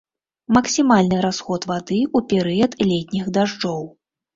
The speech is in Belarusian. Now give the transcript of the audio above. Максімальны расход вады ў перыяд летніх дажджоў.